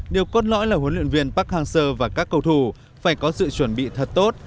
điều cốt lõi là huấn luyện viên park hang seo và các cầu thủ phải có sự chuẩn bị thật tốt